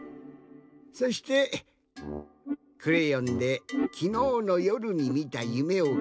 そしてクレヨンできのうのよるにみたゆめをかいてみました。